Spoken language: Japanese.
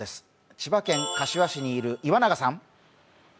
千葉県柏市にいる岩永さん。